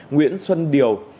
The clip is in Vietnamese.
nguyễn xuân điều